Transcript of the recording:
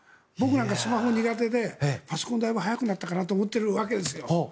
僕なんかスマホ苦手でパソコンだいぶ速くなったかなと思っているわけですよ。